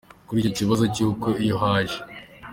Kuri icyo kibazo cy’uko iyo haje